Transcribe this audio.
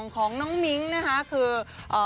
ของน้องมิ๊งแหละคือก็